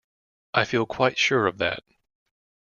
I feel quite sure of that.